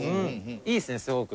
いいですねすごく。